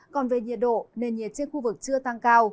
còn về nhiệt độ nền nhiệt trên khu vực chưa tăng cao